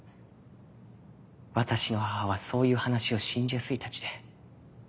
私の母はそういう話を信じやすいたちで。